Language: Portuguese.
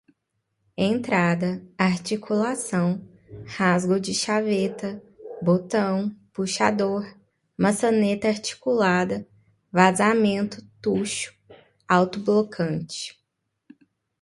entrada, articulação, rasgo de chaveta, botão, puxador, maçaneta, articulada, vazamento, tucho, autoblocante